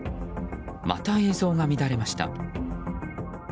また映像が乱れました。